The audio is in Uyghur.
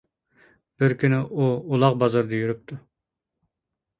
بىر كۈنى ئۇ ئۇلاغ بازىرىدا يۈرۈپتۇ.